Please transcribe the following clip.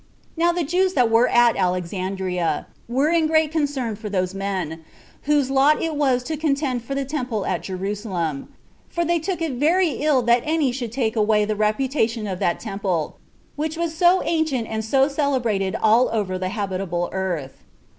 Now the Jews that were at Alexandria were in great concern for those men, whose lot it was to contend for the temple at Jerusalem; for they took it very ill that any should take away the reputation of that temple, which was so ancient and so celebrated all over the habitable earth.